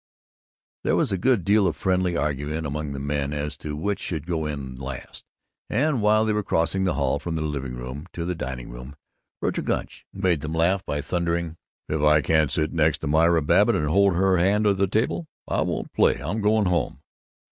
There was a good deal of friendly argument among the men as to which should go in last, and while they were crossing the hall from the living room to the dining room Vergil Gunch made them laugh by thundering, "If I can't sit next to Myra Babbitt and hold her hand under the table, I won't play I'm goin' home."